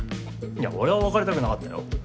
いや俺は別れたくなかったよ。